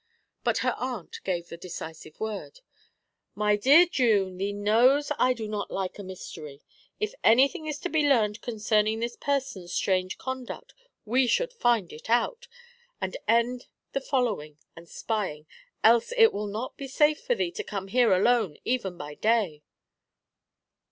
But her aunt gave the decisive word. 'My dear June, thee knows I do not like a mystery. If anything is to be learned concerning this person's strange conduct, we should find it out, and end the following and spying, else it will not be safe for thee to come here alone, even by day.'